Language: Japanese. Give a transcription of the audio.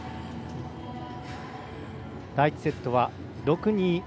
第１セットは６−２。